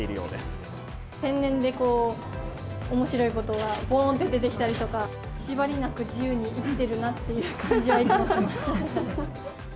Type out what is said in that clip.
天然でおもしろいことがぽーんと出てきたりとか、縛りなく自由に生きてるなっていう感じは、いつもします。